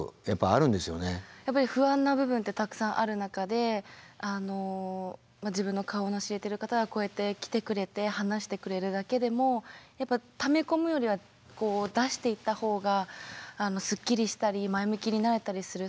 やっぱり不安な部分ってたくさんある中であの自分の顔の知れてる方がこうやって来てくれて話してくれるだけでもやっぱため込むよりは出していった方がすっきりしたり前向きになれたりする。